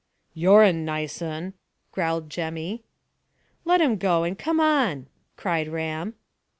"You're a nice un," growled Jemmy. "Let him go, and come on," cried Ram.